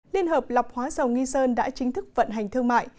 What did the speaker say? liên hợp lọc hóa dầu nghi sơn đã chính thức vận hành thương mại